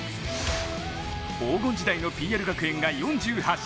黄金時代のＰＬ学園が４８勝。